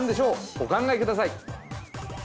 お考えください。